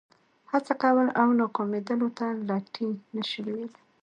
هڅه کول او ناکامېدلو ته لټي نه شو ویلای.